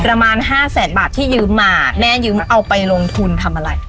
ประมาณห้าแสนบาทที่ยืมมาแม่ยืมเอาไปลงทุนทำอะไร